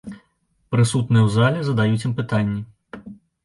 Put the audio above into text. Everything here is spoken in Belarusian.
Прысутныя ў зале задаюць ім пытанні.